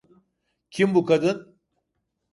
Kim bu kadın?